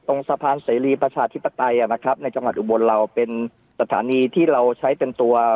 สะพานเสรีประชาธิปไตยนะครับในจังหวัดอุบลเราเป็นสถานีที่เราใช้เป็นตัว